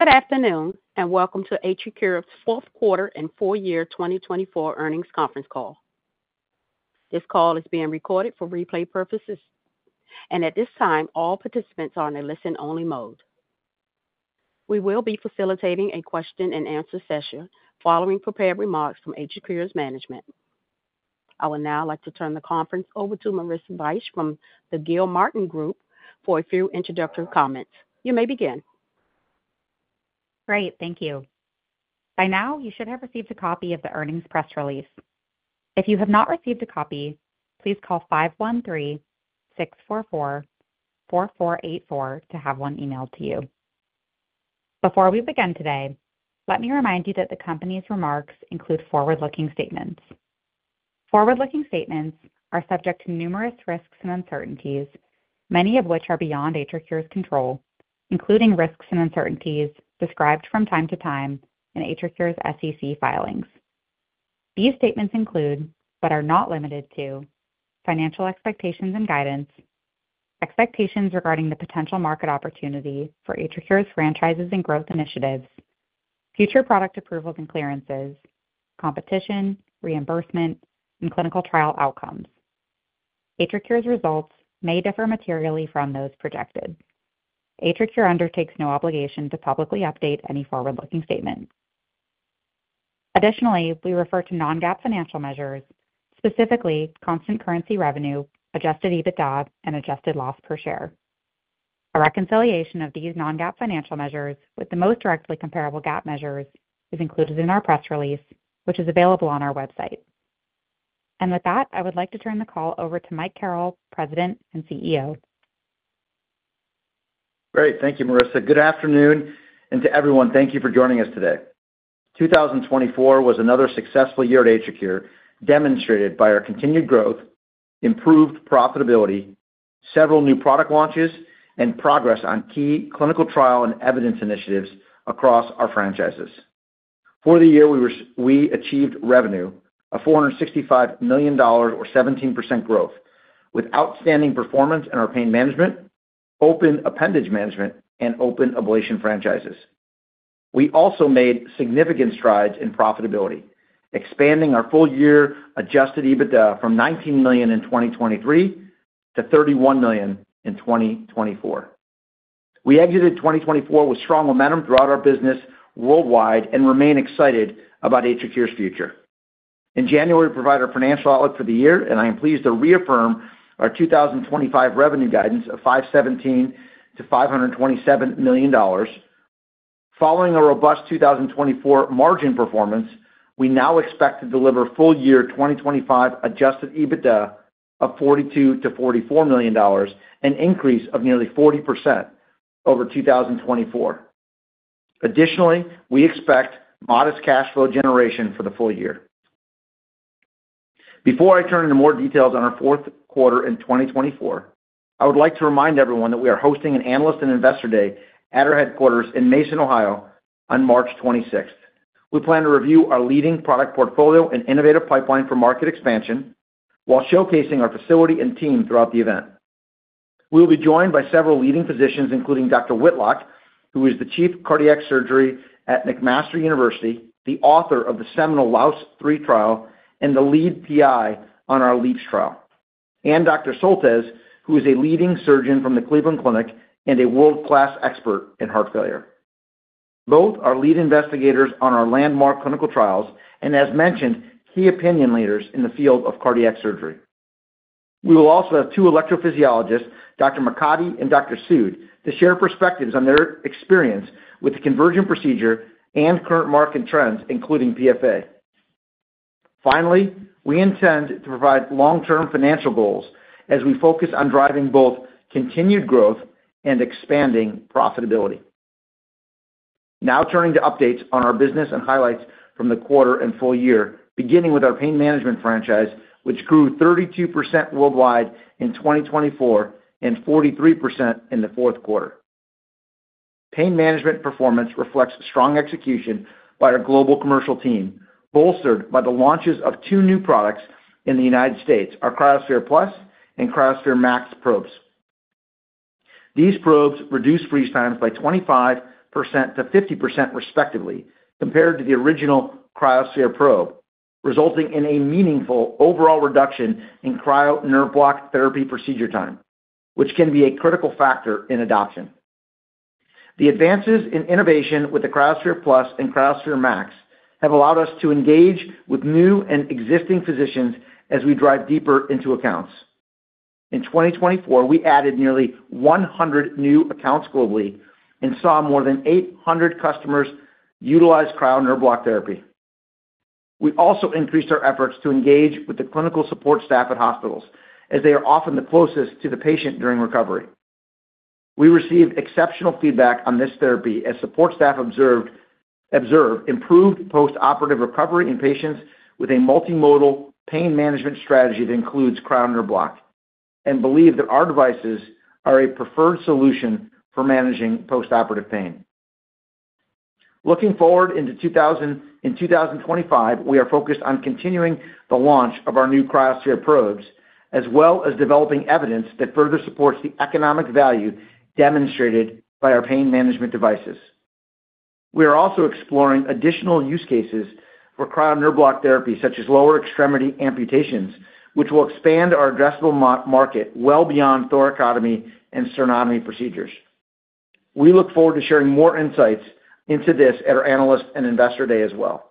Good afternoon and welcome to AtriCure's Fourth Quarter and Full Year 2024 Earnings Conference Call. This call is being recorded for replay purposes, and at this time, all participants are in a listen-only mode. We will be facilitating a question-and-answer session following prepared remarks from AtriCure's management. I would now like to turn the conference over to Marissa Bych from the Gilmartin Group for a few introductory comments. You may begin. Great. Thank you. By now, you should have received a copy of the earnings press release. If you have not received a copy, please call 513-644-4484 to have one emailed to you. Before we begin today, let me remind you that the company's remarks include forward-looking statements. Forward-looking statements are subject to numerous risks and uncertainties, many of which are beyond AtriCure's control, including risks and uncertainties described from time to time in AtriCure's SEC filings. These statements include, but are not limited to, financial expectations and guidance, expectations regarding the potential market opportunity for AtriCure's franchises and growth initiatives, future product approvals and clearances, competition, reimbursement, and clinical trial outcomes. AtriCure's results may differ materially from those projected. AtriCure undertakes no obligation to publicly update any forward-looking statement. Additionally, we refer to non-GAAP financial measures, specifically constant currency revenue, adjusted EBITDA, and adjusted loss per share. A reconciliation of these non-GAAP financial measures with the most directly comparable GAAP measures is included in our press release, which is available on our website, and with that, I would like to turn the call over to Mike Carrel, President and CEO. Great. Thank you, Marissa. Good afternoon and to everyone. Thank you for joining us today. 2024 was another successful year at AtriCure, demonstrated by our continued growth, improved profitability, several new product launches, and progress on key clinical trial and evidence initiatives across our franchises. For the year, we achieved revenue of $465 million, or 17% growth, with outstanding performance in our Pain Management, open appendage management, and Open Ablation franchises. We also made significant strides in profitability, expanding our full-year Adjusted EBITDA from $19 million in 2023 to $31 million in 2024. We exited 2024 with strong momentum throughout our business worldwide and remain excited about AtriCure's future. In January, we provided our financial outlook for the year, and I am pleased to reaffirm our 2025 revenue guidance of $517 million-$527 million. Following a robust 2024 margin performance, we now expect to deliver full-year 2025 adjusted EBITDA of $42 million-$44 million, an increase of nearly 40% over 2024. Additionally, we expect modest cash flow generation for the full year. Before I turn into more details on our fourth quarter in 2024, I would like to remind everyone that we are hosting an Analyst and Investor Day at our headquarters in Mason, Ohio, on March 26th. We plan to review our leading product portfolio and innovative pipeline for market expansion while showcasing our facility and team throughout the event. We will be joined by several leading physicians, including Dr. Whitlock, who is the Chief of Cardiac Surgery at McMaster University, the author of the LAAOS III trial, and the lead PI on our LeAAPS trial, and Dr. Soltesz, who is a leading surgeon from the Cleveland Clinic and a world-class expert in heart failure. Both are lead investigators on our landmark clinical trials and, as mentioned, key opinion leaders in the field of cardiac surgery. We will also have two electrophysiologists, Dr. Makati and Dr. Sood, to share perspectives on their experience with the Convergent procedure and current market trends, including PFA. Finally, we intend to provide long-term financial goals as we focus on driving both continued growth and expanding profitability. Now, turning to updates on our business and highlights from the quarter and full year, beginning with our Pain Management franchise, which grew 32% worldwide in 2024 and 43% in the fourth quarter. Pain Management performance reflects strong execution by our global commercial team, bolstered by the launches of two new products in the United States, our CryoSPHERE Plus and CryoSPHERE MAX probes. These probes reduce freeze times by 25% to 50%, respectively, compared to the original CryoSPHERE probe, resulting in a meaningful overall reduction in Cryo Nerve Block therapy procedure time, which can be a critical factor in adoption. The advances in innovation with the CryoSPHERE Plus and CryoSPHERE MAX have allowed us to engage with new and existing physicians as we drive deeper into accounts. In 2024, we added nearly 100 new accounts globally and saw more than 800 customers utilize Cryo Nerve Block therapy. We also increased our efforts to engage with the clinical support staff at hospitals, as they are often the closest to the patient during recovery. We received exceptional feedback on this therapy as support staff observed improved post-operative recovery in patients with a multimodal Pain Management strategy that includes Cryo Nerve Block and believe that our devices are a preferred solution for managing post-operative pain. Looking forward into 2024 and 2025, we are focused on continuing the launch of our new CryoSPHERE probes, as well as developing evidence that further supports the economic value demonstrated by our Pain Management devices. We are also exploring additional use cases for Cryo Nerve Block therapy, such as lower extremity amputations, which will expand our addressable market well beyond thoracotomy and sternotomy procedures. We look forward to sharing more insights into this at our Analyst and Investor Day as well.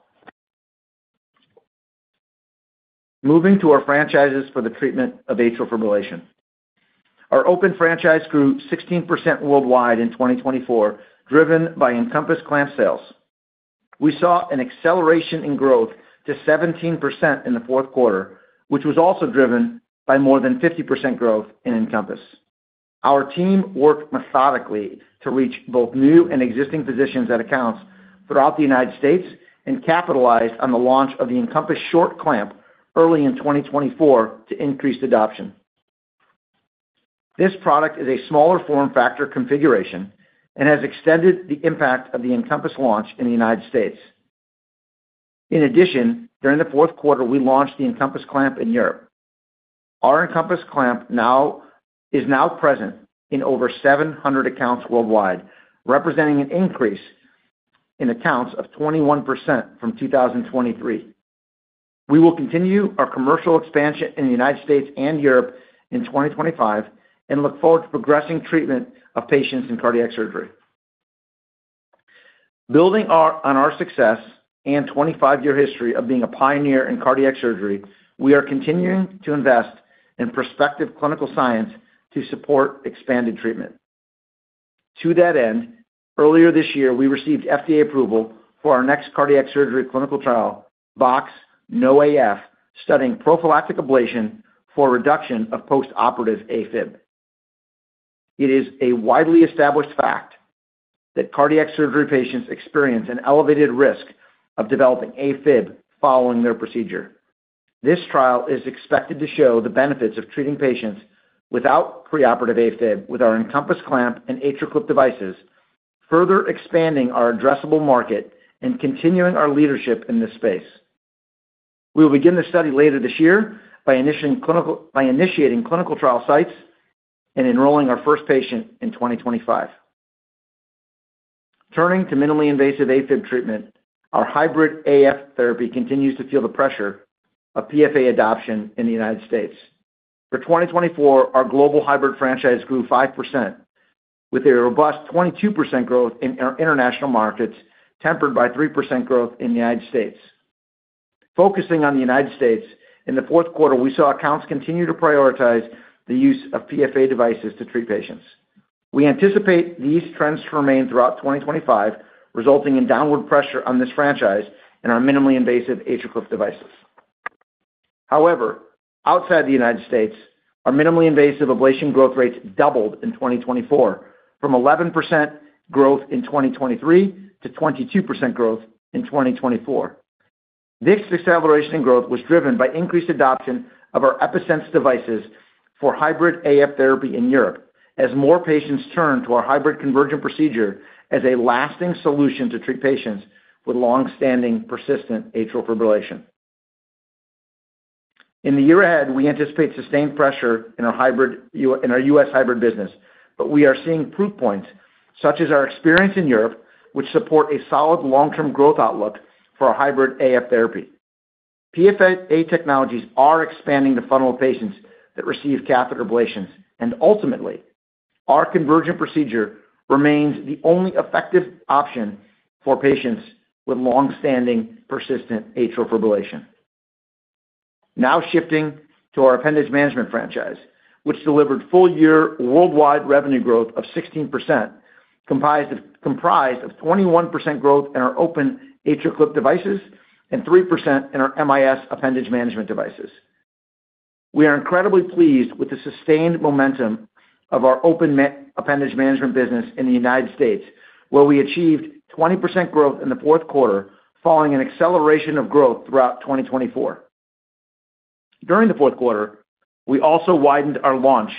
Moving to our franchises for the treatment of atrial fibrillation. Our open franchise grew 16% worldwide in 2024, driven by EnCompass Clamp sales. We saw an acceleration in growth to 17% in the fourth quarter, which was also driven by more than 50% growth in EnCompass. Our team worked methodically to reach both new and existing physicians at accounts throughout the United States and capitalized on the launch of the EnCompass Short clamp early in 2024 to increase adoption. This product is a smaller form factor configuration and has extended the impact of the EnCompass launch in the United States. In addition, during the fourth quarter, we launched the EnCompass Clamp in Europe. Our EnCompass Clamp is now present in over 700 accounts worldwide, representing an increase in accounts of 21% from 2023. We will continue our commercial expansion in the United States and Europe in 2025 and look forward to progressing treatment of patients in cardiac surgery. Building on our success and 25-year history of being a pioneer in cardiac surgery, we are continuing to invest in prospective clinical science to support expanded treatment. To that end, earlier this year, we received FDA approval for our next cardiac surgery clinical trial, BoxX-NoAF, studying prophylactic ablation for reduction of post-operative AFib. It is a widely established fact that cardiac surgery patients experience an elevated risk of developing AFib following their procedure. This trial is expected to show the benefits of treating patients without pre-operative AFib with our EnCompass Clamp and AtriClip devices, further expanding our addressable market and continuing our leadership in this space. We will begin the study later this year by initiating clinical trial sites and enrolling our first patient in 2025. Turning to minimally invasive AFib treatment, our Hybrid AF therapy continues to feel the pressure of PFA adoption in the United States. For 2024, our global hybrid franchise grew 5%, with a robust 22% growth in our international markets tempered by 3% growth in the United States. Focusing on the United States, in the fourth quarter, we saw accounts continue to prioritize the use of PFA devices to treat patients. We anticipate these trends to remain throughout 2025, resulting in downward pressure on this franchise and our minimally invasive AtriClip devices. However, outside the United States, our minimally invasive ablation growth rates doubled in 2024, from 11% growth in 2023 to 22% growth in 2024. This acceleration in growth was driven by increased adoption of our EPi-Sense devices for Hybrid AF therapy in Europe, as more patients turn to our hybrid Convergent procedure as a lasting solution to treat patients with long-standing persistent atrial fibrillation. In the year ahead, we anticipate sustained pressure in our US hybrid business, but we are seeing proof points, such as our experience in Europe, which support a solid long-term growth outlook for our Hybrid AF therapy. PFA technologies are expanding the funnel of patients that receive catheter ablations, and ultimately, our Convergent procedure remains the only effective option for patients with long-standing persistent atrial fibrillation. Now shifting to our appendage management franchise, which delivered full-year worldwide revenue growth of 16%, comprised of 21% growth in our open AtriClip devices and 3% in our MIS appendage management devices. We are incredibly pleased with the sustained momentum of our open appendage management business in the United States, where we achieved 20% growth in the fourth quarter, following an acceleration of growth throughout 2024. During the fourth quarter, we also widened our launch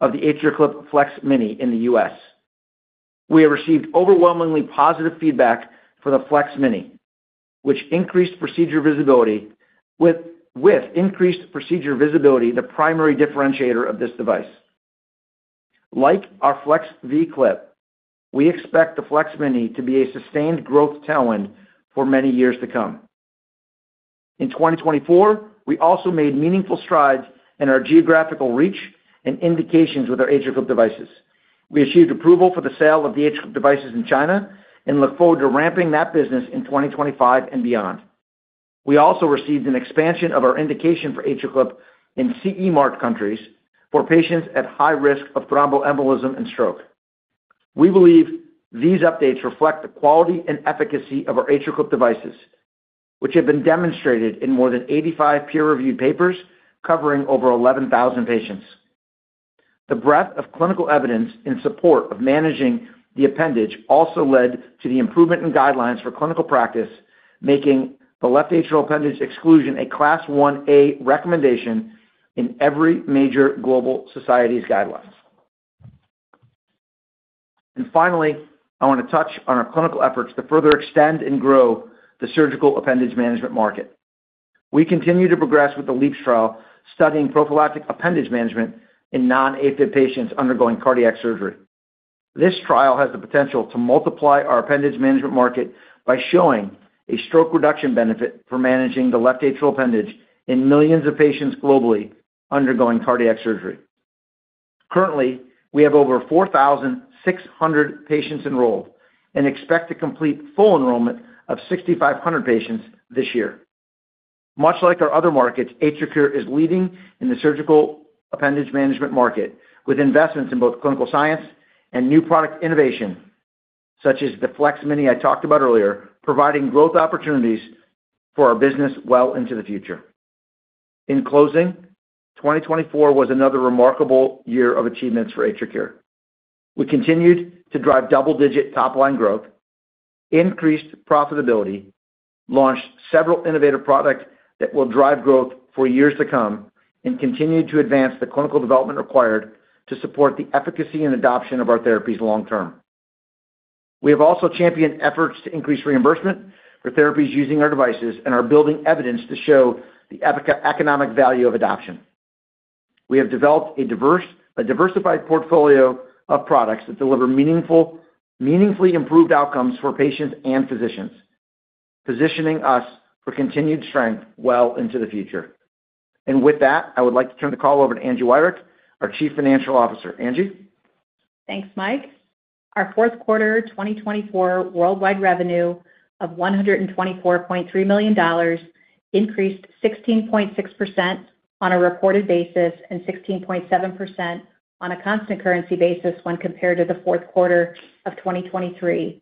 of the AtriClip FLEX-Mini in the U.S. We have received overwhelmingly positive feedback for the FLEX-Mini, which increased procedure visibility, with increased procedure visibility the primary differentiator of this device. Like our FLEX V Clip, we expect the FLEX-Mini to be a sustained growth tailwind for many years to come. In 2024, we also made meaningful strides in our geographical reach and indications with our AtriClip devices. We achieved approval for the sale of the AtriClip devices in China and look forward to ramping that business in 2025 and beyond. We also received an expansion of our indication for AtriClip in CE-marked countries for patients at high risk of thromboembolism and stroke. We believe these updates reflect the quality and efficacy of our AtriClip devices, which have been demonstrated in more than 85 peer-reviewed papers covering over 11,000 patients. The breadth of clinical evidence in support of managing the appendage also led to the improvement in guidelines for clinical practice, making the left atrial appendage exclusion a Class 1A recommendation in every major global society's guidelines. Finally, I want to touch on our clinical efforts to further extend and grow the surgical appendage management market. We continue to progress with the LeAAPS trial, studying prophylactic appendage management in non-AFib patients undergoing cardiac surgery. This trial has the potential to multiply our appendage management market by showing a stroke reduction benefit for managing the left atrial appendage in millions of patients globally undergoing cardiac surgery. Currently, we have over 4,600 patients enrolled and expect to complete full enrollment of 6,500 patients this year. Much like our other markets, AtriCure is leading in the surgical appendage management market, with investments in both clinical science and new product innovation, such as the FLEX-Mini I talked about earlier, providing growth opportunities for our business well into the future. In closing, 2024 was another remarkable year of achievements for AtriCure. We continued to drive double-digit top-line growth, increased profitability, launched several innovative products that will drive growth for years to come, and continued to advance the clinical development required to support the efficacy and adoption of our therapies long-term. We have also championed efforts to increase reimbursement for therapies using our devices and are building evidence to show the economic value of adoption. We have developed a diversified portfolio of products that deliver meaningfully improved outcomes for patients and physicians, positioning us for continued strength well into the future. And with that, I would like to turn the call over to Angela Wirick, our Chief Financial Officer. Angela? Thanks, Mike. Our fourth quarter 2024 worldwide revenue of $124.3 million increased 16.6% on a reported basis and 16.7% on a constant currency basis when compared to the fourth quarter of 2023.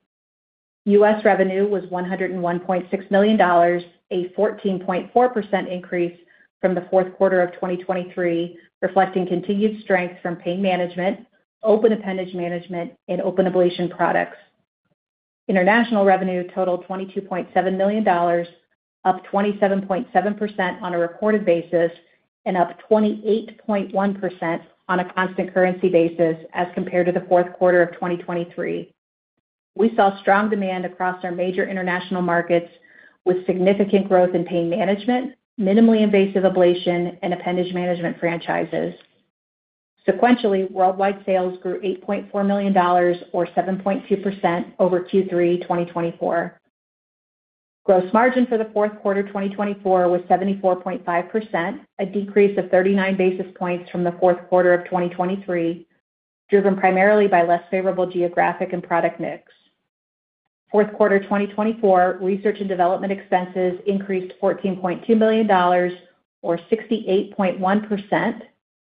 US revenue was $101.6 million, a 14.4% increase from the fourth quarter of 2023, reflecting continued strength from Pain Management, open appendage management, and Open Ablation products. International revenue totaled $22.7 million, up 27.7% on a reported basis and up 28.1% on a constant currency basis as compared to the fourth quarter of 2023. We saw strong demand across our major international markets, with significant growth in Pain Management, minimally invasive ablation, and appendage management franchises. Sequentially, worldwide sales grew $8.4 million, or 7.2%, over Q3 2024. Gross margin for the fourth quarter 2024 was 74.5%, a decrease of 39 basis points from the fourth quarter of 2023, driven primarily by less favorable geographic and product mix. Fourth quarter 2024, research and development expenses increased $14.2 million, or 68.1%,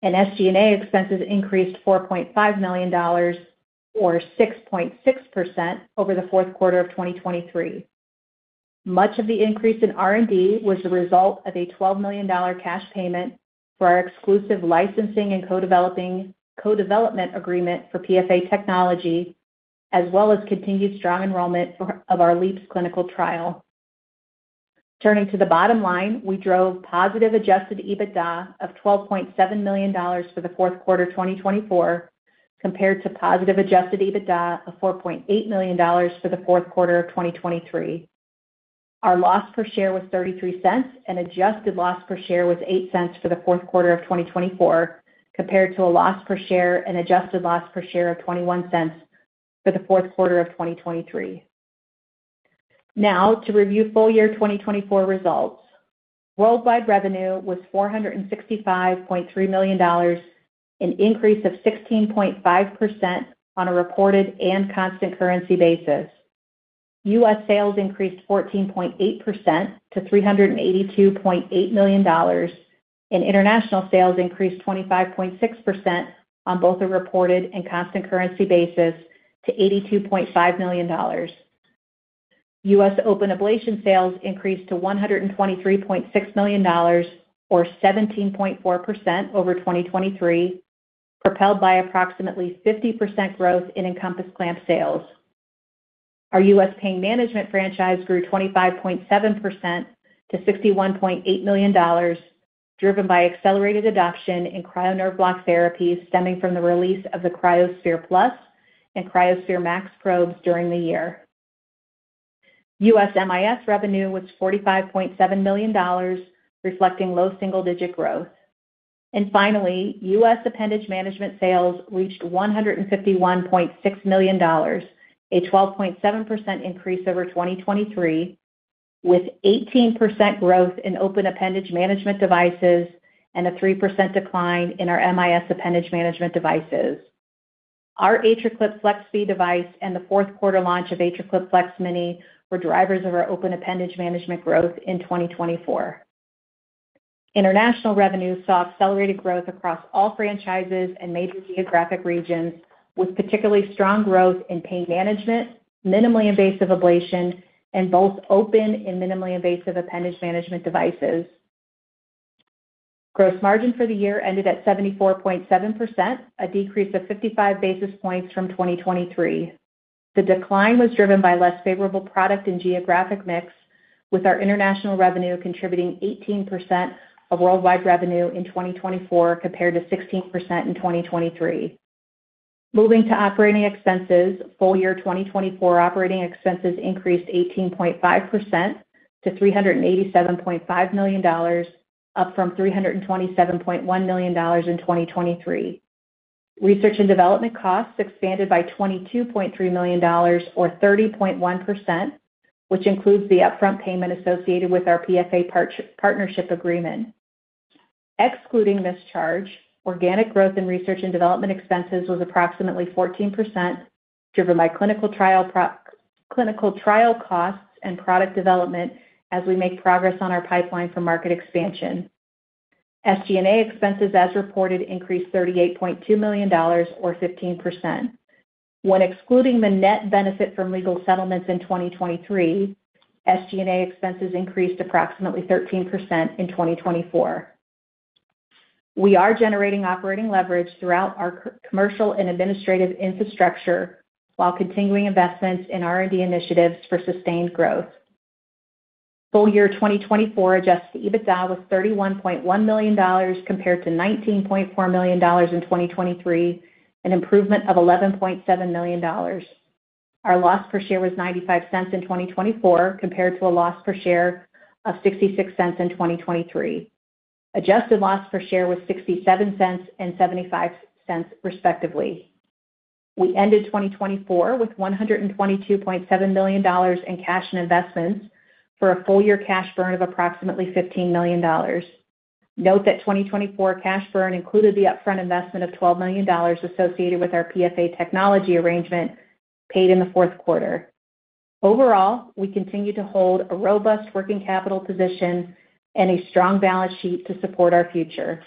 and SG&A expenses increased $4.5 million, or 6.6%, over the fourth quarter of 2023. Much of the increase in R&D was the result of a $12 million cash payment for our exclusive licensing and co-development agreement for PFA technology, as well as continued strong enrollment of our LeAAPS clinical trial. Turning to the bottom line, we drove positive adjusted EBITDA of $12.7 million for the fourth quarter 2024, compared to positive adjusted EBITDA of $4.8 million for the fourth quarter of 2023. Our loss per share was $0.33, and adjusted loss per share was $0.08 for the fourth quarter of 2024, compared to a loss per share and adjusted loss per share of $0.21 for the fourth quarter of 2023. Now, to review full-year 2024 results, worldwide revenue was $465.3 million, an increase of 16.5% on a reported and constant currency basis. US sales increased 14.8% to $382.8 million, and international sales increased 25.6% on both a reported and constant currency basis to $82.5 million. U.S. Open Ablation sales increased to $123.6 million, or 17.4%, over 2023, propelled by approximately 50% growth in EnCompass Clamp sales. Our U.S. Pain Management franchise grew 25.7% to $61.8 million, driven by accelerated adoption in Cryo Nerve Block therapies stemming from the release of the CryoSPHERE Plus and CryoSPHERE MAX probes during the year. U.S. MIS revenue was $45.7 million, reflecting low single-digit growth. And finally, U.S. appendage management sales reached $151.6 million, a 12.7% increase over 2023, with 18% growth in open appendage management devices and a 3% decline in our MIS appendage management devices. Our AtriClip FLEX V device and the fourth quarter launch of AtriClip FLEX-Mini were drivers of our open appendage management growth in 2024. International revenue saw accelerated growth across all franchises and major geographic regions, with particularly strong growth in Pain Management, minimally invasive ablation, and both open and minimally invasive appendage management devices. Gross margin for the year ended at 74.7%, a decrease of 55 basis points from 2023. The decline was driven by less favorable product and geographic mix, with our international revenue contributing 18% of worldwide revenue in 2024 compared to 16% in 2023. Moving to operating expenses, full-year 2024 operating expenses increased 18.5% to $387.5 million, up from $327.1 million in 2023. Research and development costs expanded by $22.3 million, or 30.1%, which includes the upfront payment associated with our PFA partnership agreement. Excluding this charge, organic growth in research and development expenses was approximately 14%, driven by clinical trial costs and product development as we make progress on our pipeline for market expansion. SG&A expenses, as reported, increased $38.2 million, or 15%. When excluding the net benefit from legal settlements in 2023, SG&A expenses increased approximately 13% in 2024. We are generating operating leverage throughout our commercial and administrative infrastructure while continuing investments in R&D initiatives for sustained growth. Full-year 2024 adjusted EBITDA was $31.1 million, compared to $19.4 million in 2023, an improvement of $11.7 million. Our loss per share was $0.95 in 2024, compared to a loss per share of $0.66 in 2023. Adjusted loss per share was $0.67 and $0.75, respectively. We ended 2024 with $122.7 million in cash and investments for a full-year cash burn of approximately $15 million. Note that 2024 cash burn included the upfront investment of $12 million associated with our PFA technology arrangement paid in the fourth quarter. Overall, we continue to hold a robust working capital position and a strong balance sheet to support our future.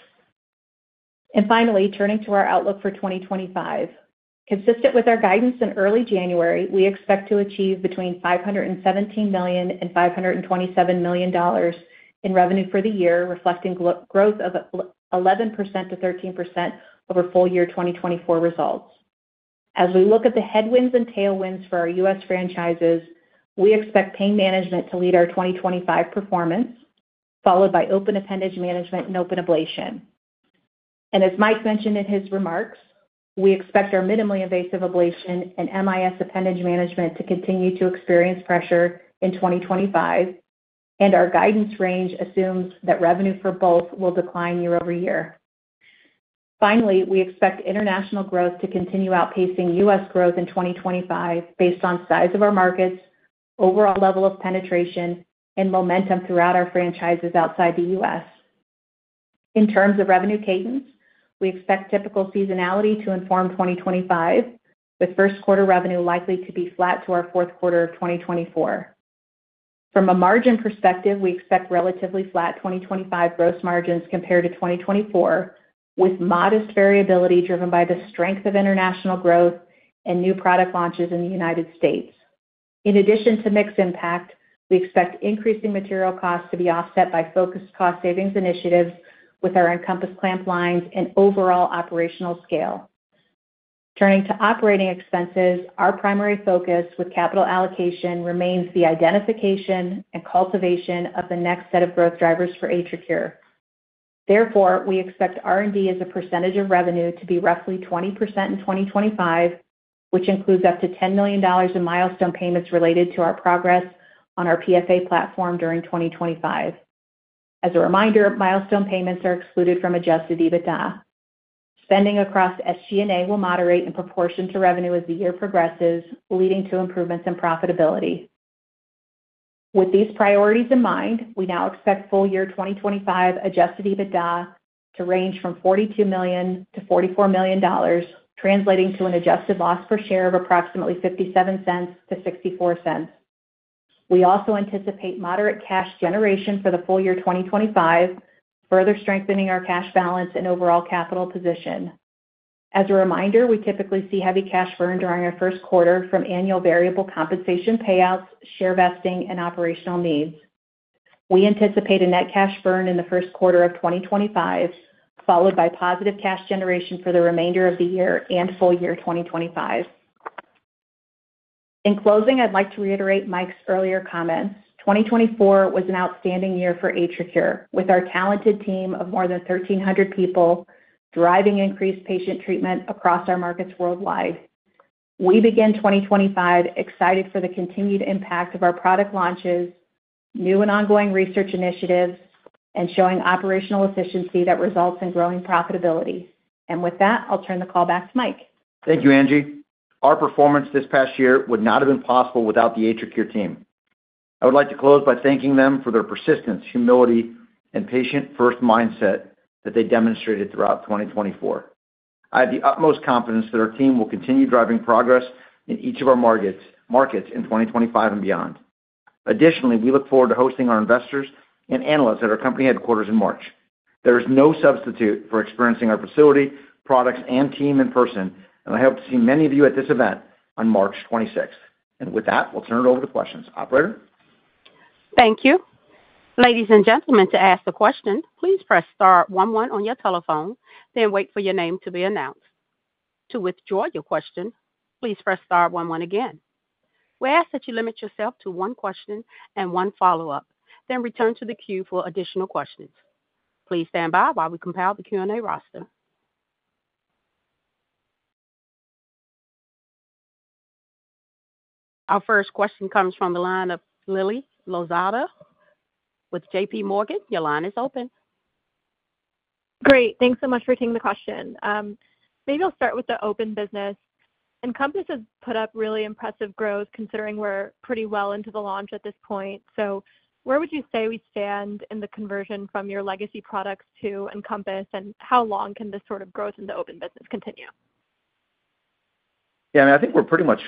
Finally, turning to our outlook for 2025. Consistent with our guidance in early January, we expect to achieve between $517 million and $527 million in revenue for the year, reflecting growth of 11%-13% over full-year 2024 results. As we look at the headwinds and tailwinds for our U.S. franchises, we expect Pain Management to lead our 2025 performance, followed by open appendage management and Open Ablation. As Mike mentioned in his remarks, we expect our minimally invasive ablation and MIS appendage management to continue to experience pressure in 2025, and our guidance range assumes that revenue for both will decline year-over-year. Finally, we expect international growth to continue outpacing U.S. growth in 2025 based on size of our markets, overall level of penetration, and momentum throughout our franchises outside the U.S. In terms of revenue cadence, we expect typical seasonality to inform 2025, with first quarter revenue likely to be flat to our fourth quarter of 2024. From a margin perspective, we expect relatively flat 2025 gross margins compared to 2024, with modest variability driven by the strength of international growth and new product launches in the United States. In addition to mixed impact, we expect increasing material costs to be offset by focused cost savings initiatives with our EnCompass Clamp lines and overall operational scale. Turning to operating expenses, our primary focus with capital allocation remains the identification and cultivation of the next set of growth drivers for AtriCure. Therefore, we expect R&D as a percentage of revenue to be roughly 20% in 2025, which includes up to $10 million in milestone payments related to our progress on our PFA platform during 2025. As a reminder, milestone payments are excluded from Adjusted EBITDA. Spending across SG&A will moderate in proportion to revenue as the year progresses, leading to improvements in profitability. With these priorities in mind, we now expect full-year 2025 Adjusted EBITDA to range from $42 million-$44 million, translating to an adjusted loss per share of approximately $0.57-$0.64. We also anticipate moderate cash generation for the full-year 2025, further strengthening our cash balance and overall capital position. As a reminder, we typically see heavy cash burn during our first quarter from annual variable compensation payouts, share vesting, and operational needs. We anticipate a net cash burn in the first quarter of 2025, followed by positive cash generation for the remainder of the year and full-year 2025. In closing, I'd like to reiterate Mike's earlier comments. 2024 was an outstanding year for AtriCure, with our talented team of more than 1,300 people driving increased patient treatment across our markets worldwide. We begin 2025 excited for the continued impact of our product launches, new and ongoing research initiatives, and showing operational efficiency that results in growing profitability. And with that, I'll turn the call back to Mike. Thank you, Angie. Our performance this past year would not have been possible without the AtriCure team. I would like to close by thanking them for their persistence, humility, and patient first mindset that they demonstrated throughout 2024. I have the utmost confidence that our team will continue driving progress in each of our markets in 2025 and beyond. Additionally, we look forward to hosting our investors and analysts at our company headquarters in March. There is no substitute for experiencing our facility, products, and team in person, and I hope to see many of you at this event on March 26th. And with that, we'll turn it over to questions. Operator? Thank you. Ladies and gentlemen, to ask a question, please press star one one on your telephone, then wait for your name to be announced. To withdraw your question, please press star one one again. We ask that you limit yourself to one question and one follow-up, then return to the queue for additional questions. Please stand by while we compile the Q&A roster. Our first question comes from the line of Lily Lozada with JPMorgan. Your line is open. Great. Thanks so much for taking the question. Maybe I'll start with the open business. EnCompass has put up really impressive growth, considering we're pretty well into the launch at this point. So where would you say we stand in the conversion from your legacy products to EnCompass, and how long can this sort of growth in the open business continue? Yeah, I mean, I think we're pretty much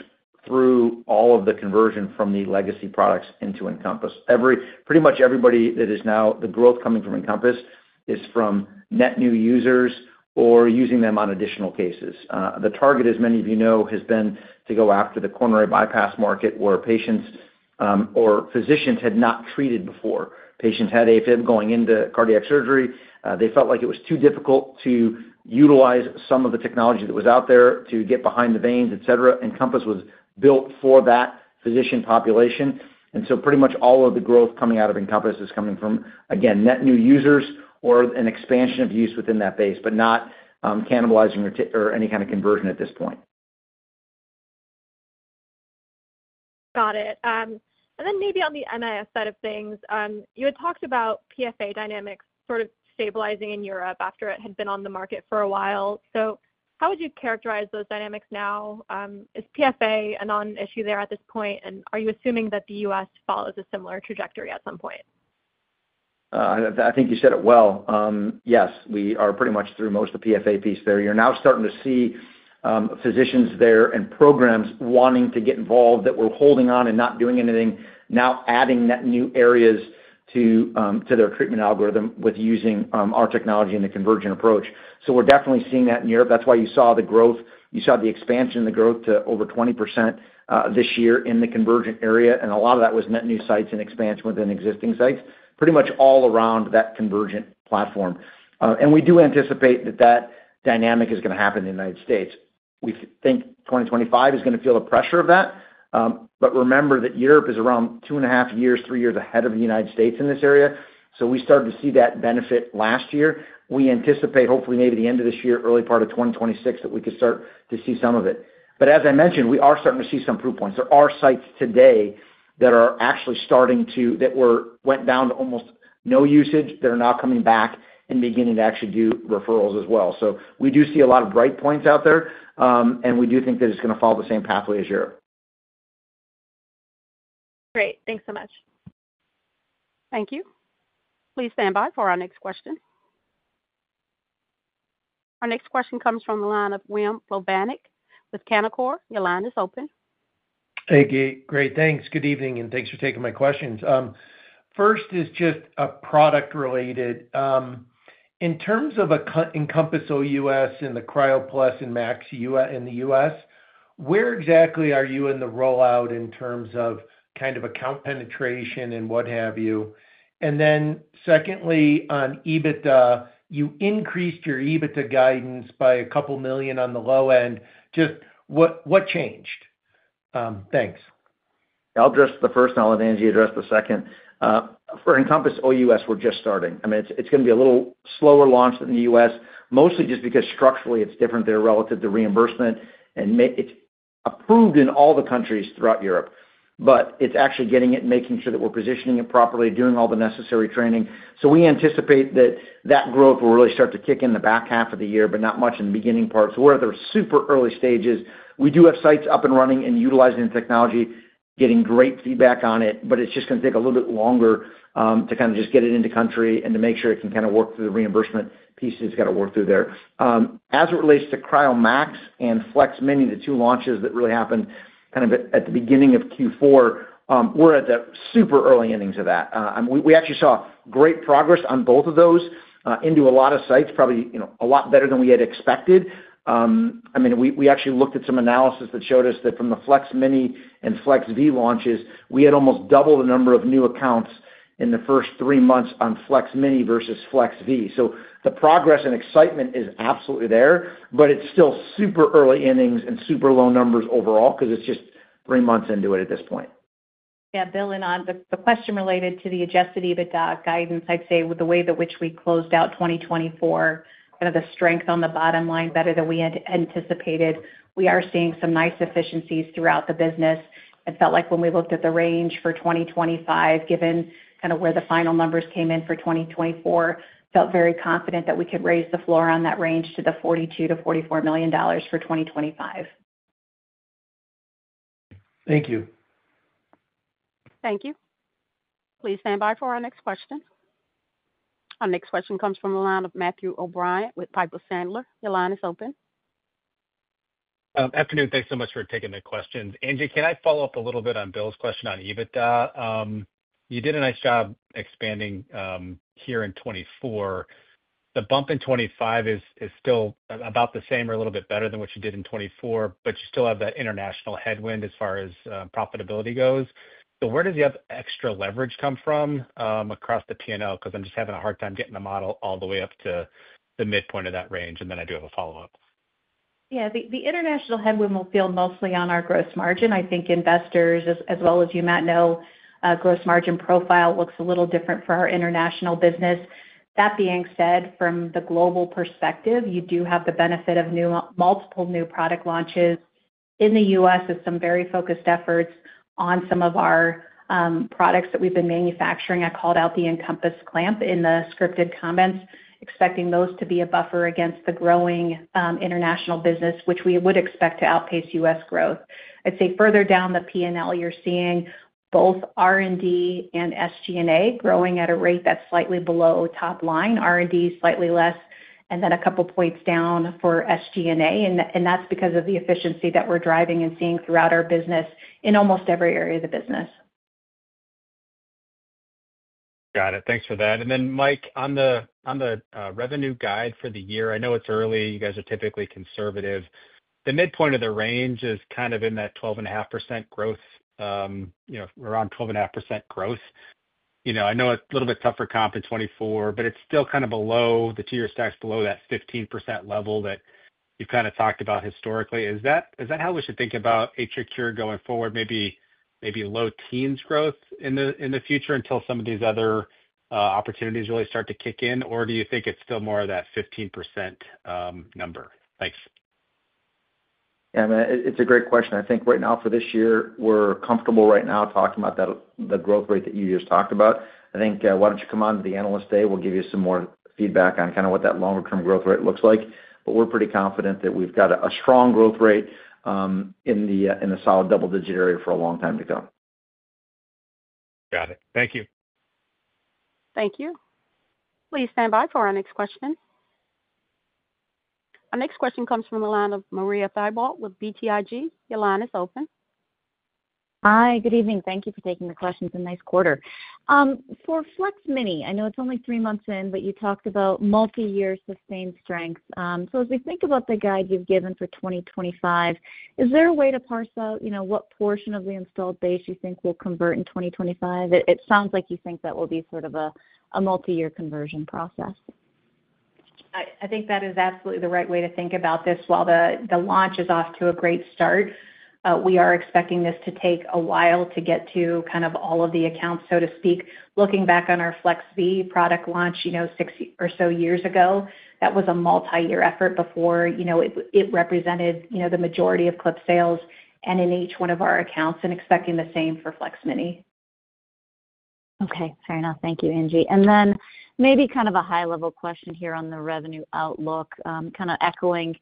through all of the conversion from the legacy products into EnCompass. Pretty much everybody that is now the growth coming from EnCompass is from net new users or using them on additional cases. The target, as many of you know, has been to go after the coronary bypass market, where patients or physicians had not treated before. Patients had AFib going into cardiac surgery. They felt like it was too difficult to utilize some of the technology that was out there to get behind the veins, etc. EnCompass was built for that physician population. And so pretty much all of the growth coming out of EnCompass is coming from, again, net new users or an expansion of use within that base, but not cannibalizing or any kind of conversion at this point. Got it. And then maybe on the MIS side of things, you had talked about PFA dynamics sort of stabilizing in Europe after it had been on the market for a while. So how would you characterize those dynamics now? Is PFA a non-issue there at this point, and are you assuming that the US follows a similar trajectory at some point? I think you said it well. Yes, we are pretty much through most of the PFA piece there. You're now starting to see physicians there and programs wanting to get involved that were holding on and not doing anything, now adding net new areas to their treatment algorithm with using our technology and the Convergent approach. So we're definitely seeing that in Europe. That's why you saw the growth. You saw the expansion in the growth to over 20% this year in the Convergent area, and a lot of that was net new sites and expansion within existing sites, pretty much all around that Convergent platform. And we do anticipate that that dynamic is going to happen in the United States. We think 2025 is going to feel the pressure of that, but remember that Europe is around two and a half years, three years ahead of the United States in this area. So we started to see that benefit last year. We anticipate, hopefully, maybe the end of this year, early part of 2026, that we could start to see some of it. But as I mentioned, we are starting to see some proof points. There are sites today that are actually starting to that went down to almost no usage. They're now coming back and beginning to actually do referrals as well. So we do see a lot of bright points out there, and we do think that it's going to follow the same pathway as Europe. Great. Thanks so much. Thank you. Please stand by for our next question. Our next question comes from the line of William Plovanic with Canaccord Genuity. Your line is open. Hey, Great. Thanks. Good evening, and thanks for taking my questions. First is just product-related. In terms of EnCompass OUS and the CryoSPHERE Plus in the U.S., where exactly are you in the rollout in terms of kind of account penetration and what have you? And then secondly, on EBITDA, you increased your EBITDA guidance by a couple million on the low end. Just what changed? Thanks. I'll address the first. I'll let Angie address the second. For EnCompass OUS, we're just starting. I mean, it's going to be a little slower launch than the U.S., mostly just because structurally it's different there relative to reimbursement, and it's approved in all the countries throughout Europe, but it's actually getting it and making sure that we're positioning it properly, doing all the necessary training. So we anticipate that that growth will really start to kick in the back half of the year, but not much in the beginning part. So we're at the super early stages. We do have sites up and running and utilizing the technology, getting great feedback on it, but it's just going to take a little bit longer to kind of just get it into country and to make sure it can kind of work through the reimbursement piece that's got to work through there. As it relates to CryoSPHERE MAX and FLEX-Mini, the two launches that really happened kind of at the beginning of Q4, we're at the super early innings of that. We actually saw great progress on both of those into a lot of sites, probably a lot better than we had expected. I mean, we actually looked at some analysis that showed us that from the FLEX-Mini and FLEX V launches, we had almost double the number of new accounts in the first three months on FLEX-Mini versus FLEX V. So the progress and excitement is absolutely there, but it's still super early innings and super low numbers overall because it's just three months into it at this point. Yeah. Bill, in on the question related to the Adjusted EBITDA guidance, I'd say with the way in which we closed out 2024, kind of the strength on the bottom line better than we had anticipated, we are seeing some nice efficiencies throughout the business. It felt like when we looked at the range for 2025, given kind of where the final numbers came in for 2024, felt very confident that we could raise the floor on that range to the $42 million-$44 million for 2025. Thank you. Thank you. Please stand by for our next question. Our next question comes from the line of Matthew O'Brien with Piper Sandler. Your line is open. Afternoon. Thanks so much for taking the questions. Angie, can I follow up a little bit on Bill's question on EBITDA? You did a nice job expanding here in 2024. The bump in 2025 is still about the same or a little bit better than what you did in 2024, but you still have that international headwind as far as profitability goes. So where does the extra leverage come from across the P&L? Because I'm just having a hard time getting the model all the way up to the midpoint of that range, and then I do have a follow-up. Yeah. The international headwind will feel mostly on our gross margin. I think investors, as well as you, Matt, know gross margin profile looks a little different for our international business. That being said, from the global perspective, you do have the benefit of multiple new product launches in the U.S. with some very focused efforts on some of our products that we've been manufacturing. I called out the EnCompass Clamp in the scripted comments, expecting those to be a buffer against the growing international business, which we would expect to outpace U.S. growth. I'd say further down the P&L, you're seeing both R&D and SG&A growing at a rate that's slightly below top line. R&D is slightly less, and then a couple points down for SG&A. And that's because of the efficiency that we're driving and seeing throughout our business in almost every area of the business. Got it. Thanks for that. And then, Mike, on the revenue guide for the year, I know it's early. You guys are typically conservative. The midpoint of the range is kind of in that 12.5% growth, around 12.5% growth. I know it's a little bit tougher comp in 2024, but it's still kind of below the two-year stacks, below that 15% level that you've kind of talked about historically. Is that how we should think about AtriCure going forward, maybe low teens growth in the future until some of these other opportunities really start to kick in? Or do you think it's still more of that 15% number? Thanks. Yeah. It's a great question. I think right now for this year, we're comfortable right now talking about the growth rate that you just talked about. I think why don't you come on to the Analyst Day? We'll give you some more feedback on kind of what that longer-term growth rate looks like. But we're pretty confident that we've got a strong growth rate in the solid double-digit area for a long time to come. Got it. Thank you. Thank you. Please stand by for our next question. Our next question comes from the line of Marie Thibault with BTIG. Your line is open. Hi. Good evening. Thank you for taking the questions in this quarter. For FLEX-Mini, I know it's only three months in, but you talked about multi-year sustained strength. So as we think about the guide you've given for 2025, is there a way to parse out what portion of the installed base you think will convert in 2025? It sounds like you think that will be sort of a multi-year conversion process. I think that is absolutely the right way to think about this while the launch is off to a great start, we are expecting this to take a while to get to kind of all of the accounts, so to speak. Looking back on our FLEX V product launch six or so years ago, that was a multi-year effort before it represented the majority of Clip sales and in each one of our accounts, and expecting the same for FLEX-Mini. Okay. Fair enough. Thank you, Angie. And then maybe kind of a high-level question here on the revenue outlook, kind of echoing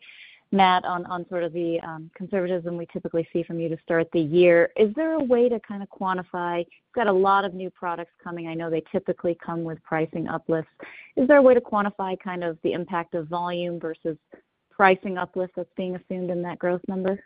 Matt on sort of the conservatism we typically see from you to start the year. Is there a way to kind of quantify? You've got a lot of new products coming. I know they typically come with pricing uplifts. Is there a way to quantify kind of the impact of volume versus pricing uplift that's being assumed in that growth number?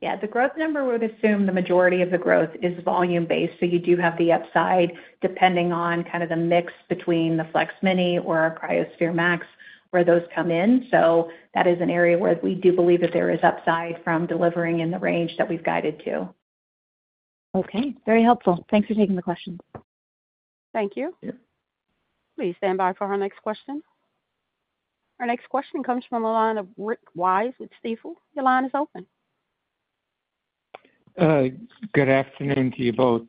Yeah. The growth number would assume the majority of the growth is volume-based. So you do have the upside depending on kind of the mix between the FLEX-Mini or CryoSPHERE MAX where those come in. So that is an area where we do believe that there is upside from delivering in the range that we've guided to. Okay. Very helpful. Thanks for taking the questions. Thank you. Please stand by for our next question. Our next question comes from the line of Rick Wise with Stifel. Your line is open. Good afternoon to you both.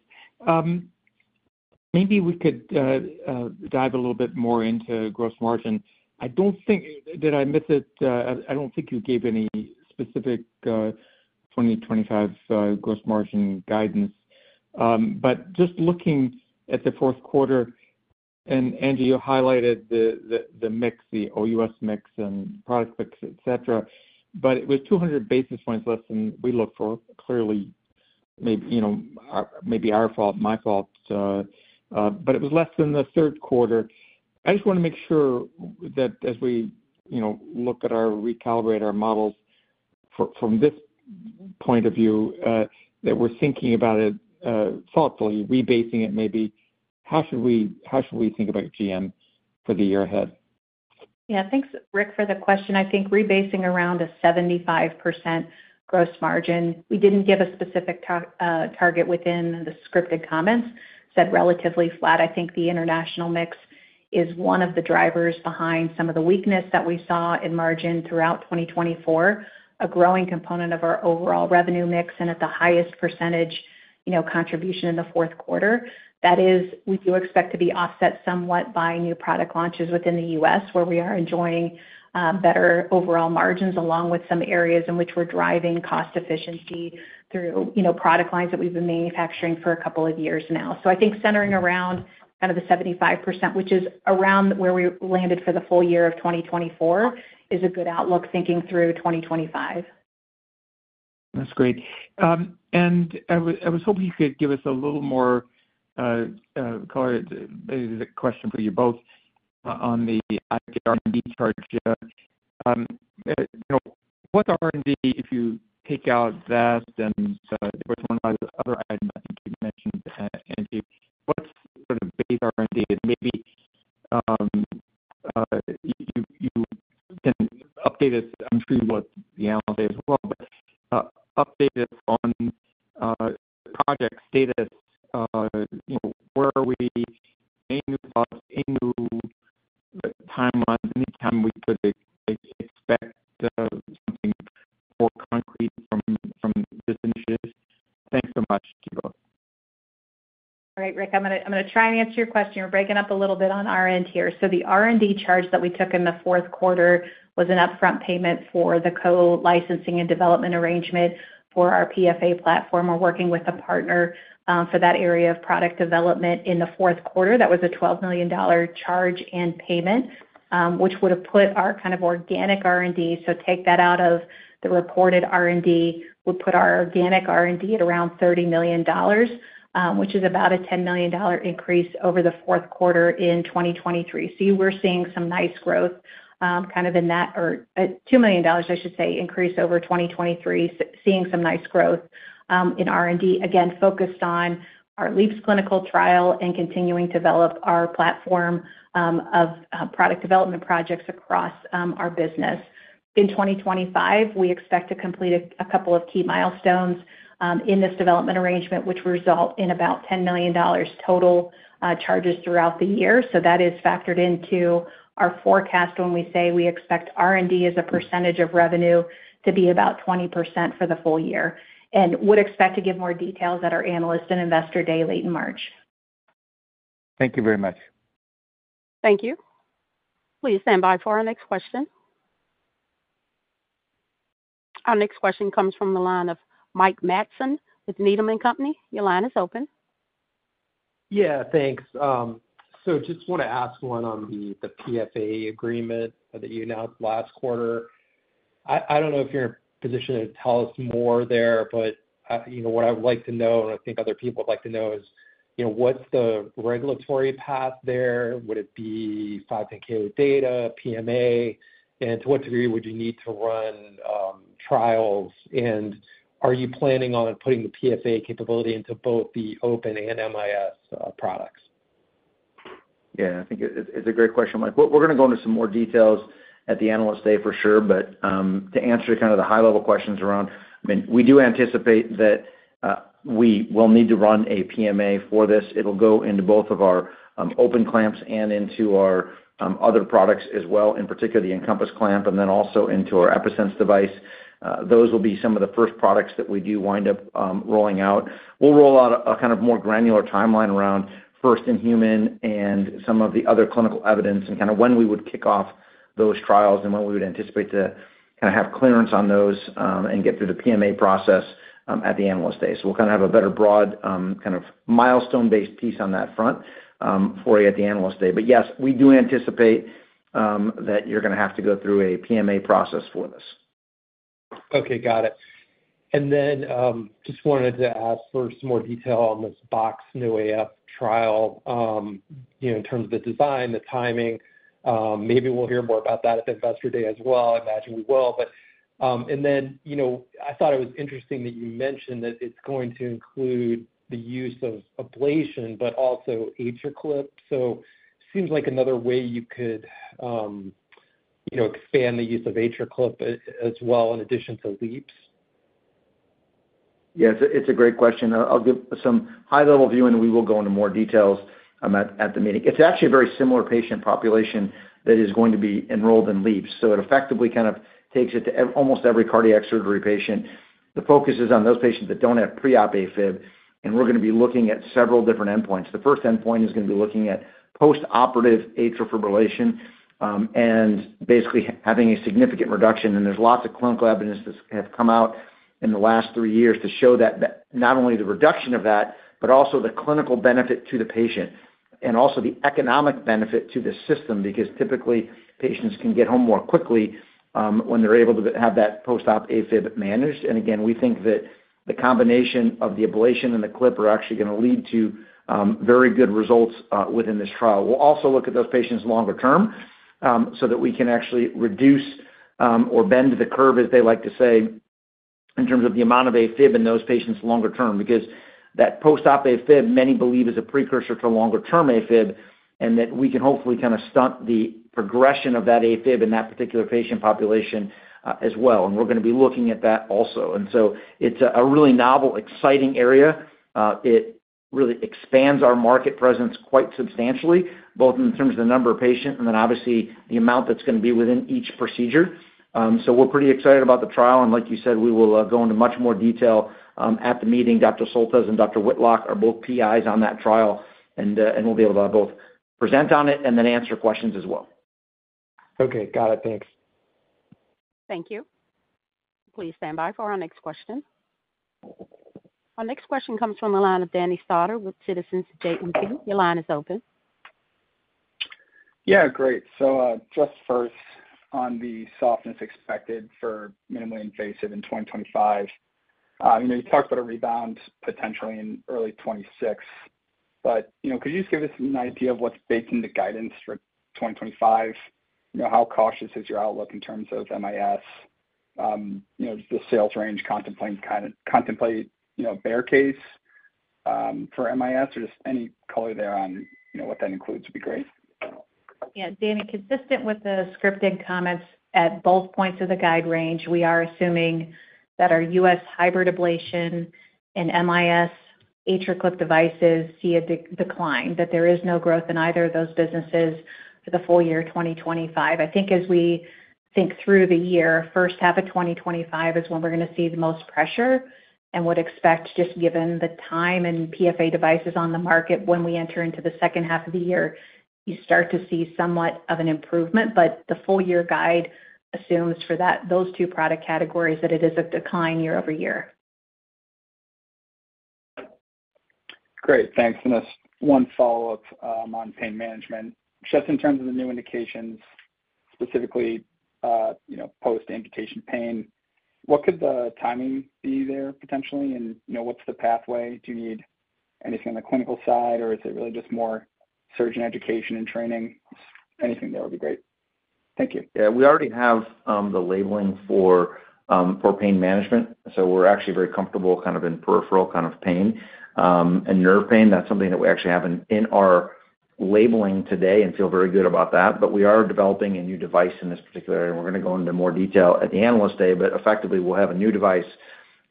Maybe we could dive a little bit more into gross margin. I don't think that I missed it. I don't think you gave any specific 2025 gross margin guidance. But just looking at the fourth quarter, and Angie, you highlighted the mix, the OUS mix and product mix, etc., but it was 200 basis points less than we looked for. Clearly, maybe our fault, my fault. But it was less than the third quarter. I just want to make sure that as we look at our recalibrate our models from this point of view, that we're thinking about it thoughtfully, rebasing it maybe. How should we think about GM for the year ahead? Yeah. Thanks, Rick, for the question. I think rebasing around a 75% gross margin. We didn't give a specific target within the scripted comments. Said relatively flat. I think the international mix is one of the drivers behind some of the weakness that we saw in margin throughout 2024, a growing component of our overall revenue mix, and at the highest percentage contribution in the fourth quarter. That is, we do expect to be offset somewhat by new product launches within the U.S. where we are enjoying better overall margins along with some areas in which we're driving cost efficiency through product lines that we've been manufacturing for a couple of years now. So I think centering around kind of the 75%, which is around where we landed for the full year of 2024, is a good outlook thinking through 2025. That's great. And I was hoping you could give us a little more question for you both on the R&D charge. What R&D, if you take out that and with one of the other items I think you mentioned, Angie, what's sort of base R&D? And maybe you can update us. I'm sure you want the analysis as well, but update us on the project status. Where are we? Any new thoughts? Any new timeline? Any time we could expect something more concrete from this initiative? Thanks so much, you both. All right, Rick. I'm going to try and answer your question. You're breaking up a little bit on our end here. So the R&D charge that we took in the fourth quarter was an upfront payment for the co-licensing and development arrangement for our PFA platform. We're working with a partner for that area of product development in the fourth quarter. That was a $12 million charge and payment, which would have put our kind of organic R&D, so take that out of the reported R&D, would put our organic R&D at around $30 million, which is about a $10 million increase over the fourth quarter in 2023. So we're seeing some nice growth kind of in that, or $2 million, I should say, increase over 2023, seeing some nice growth in R&D. Again, focused on our LeAAPS clinical trial and continuing to develop our platform of product development projects across our business. In 2025, we expect to complete a couple of key milestones in this development arrangement, which result in about $10 million total charges throughout the year. So that is factored into our forecast when we say we expect R&D as a percentage of revenue to be about 20% for the full year. And would expect to give more details at our analyst and investor day late in March. Thank you very much. Thank you. Please stand by for our next question. Our next question comes from the line of Mike Matson with Needham & Company. Your line is open. Yeah. Thanks. So just want to ask one on the PFA agreement that you announced last quarter. I don't know if you're in a position to tell us more there, but what I would like to know, and I think other people would like to know, is what's the regulatory path there? Would it be 510(k) with data, PMA? And to what degree would you need to run trials? And are you planning on putting the PFA capability into both the open and MIS products? Yeah. I think it's a great question, Mike. We're going to go into some more details at the Analyst Day for sure. But to answer kind of the high-level questions around, I mean, we do anticipate that we will need to run a PMA for this. It'll go into both of our open clamps and into our other products as well, in particular the EnCompass Clamp, and then also into our EPi-Sense device. Those will be some of the first products that we do wind up rolling out. We'll roll out a kind of more granular timeline around first in human and some of the other clinical evidence and kind of when we would kick off those trials and when we would anticipate to kind of have clearance on those and get through the PMA process at the Analyst Day. So we'll kind of have a better broad kind of milestone-based piece on that front for you at the Analyst Day. But yes, we do anticipate that you're going to have to go through a PMA process for this. Okay. Got it. And then just wanted to ask for some more detail on this BoxX-NoAF trial in terms of the design, the timing. Maybe we'll hear more about that at the investor day as well. I imagine we will. And then I thought it was interesting that you mentioned that it's going to include the use of ablation, but also AtriClip. So it seems like another way you could expand the use of AtriClip as well in addition to LeAAPS. Yeah. It's a great question. I'll give some high-level view, and we will go into more details at the meeting. It's actually a very similar patient population that is going to be enrolled in LeAAPS. So it effectively kind of takes it to almost every cardiac surgery patient. The focus is on those patients that don't have pre-op AFib, and we're going to be looking at several different endpoints. The first endpoint is going to be looking at post-operative atrial fibrillation and basically having a significant reduction, and there's lots of clinical evidence that have come out in the last three years to show that not only the reduction of that, but also the clinical benefit to the patient and also the economic benefit to the system because typically patients can get home more quickly when they're able to have that post-op AFib managed, and again, we think that the combination of the ablation and the Clip are actually going to lead to very good results within this trial. We'll also look at those patients longer term so that we can actually reduce or bend the curve, as they like to say, in terms of the amount of AFib in those patients longer term because that post-op AFib, many believe, is a precursor to longer-term AFib and that we can hopefully kind of stunt the progression of that AFib in that particular patient population as well. And we're going to be looking at that also. And so it's a really novel, exciting area. It really expands our market presence quite substantially, both in terms of the number of patients and then obviously the amount that's going to be within each procedure. So we're pretty excited about the trial. And like you said, we will go into much more detail at the meeting. Dr. Soltesz and Dr. Whitlock are both PIs on that trial, and we'll be able to both present on it and then answer questions as well. Okay. Got it. Thanks. Thank you. Please stand by for our next question. Our next question comes from the line of Danny Stauder with Citizens JMP. Your line is open. Yeah. Great. So just first, on the softness expected for minimally invasive in 2025, you talked about a rebound potentially in early 2026, but could you just give us an idea of what's baked in the guidance for 2025? How cautious is your outlook in terms of MIS? Does the sales range contemplate bear case for MIS? Or just any color there on what that includes would be great. Yeah. Danny, consistent with the scripted comments at both points of the guide range, we are assuming that our U.S. hybrid ablation and MIS AtriClip devices see a decline, that there is no growth in either of those businesses for the full year 2025. I think as we think through the year, first half of 2025 is when we're going to see the most pressure and would expect, just given the time and PFA devices on the market, when we enter into the second half of the year, you start to see somewhat of an improvement. But the full year guide assumes for those two product categories that it is a decline year-over-year. Great. Thanks. And one follow-up on Pain Management. Just in terms of the new indications, specifically post-amputation pain, what could the timing be there potentially? And what's the pathway? Do you need anything on the clinical side, or is it really just more surgeon education and training? Anything there would be great. Thank you. Yeah. We already have the labeling for Pain Management. So we're actually very comfortable kind of in peripheral kind of pain and nerve pain. That's something that we actually have in our labeling today and feel very good about that. But we are developing a new device in this particular area. We're going to go into more detail at the Analyst Day, but effectively, we'll have a new device